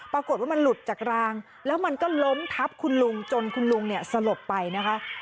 ปรากฏว่ามันหลุดจากรางแล้วมันก็ล้มทับคุณลุงจนคุณลุงเนี่ยสลบไปนะคะ